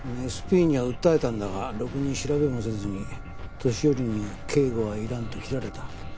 ＳＰには訴えたんだがろくに調べもせずに年寄りに警護はいらんと切られた。